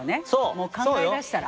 もう考えだしたら。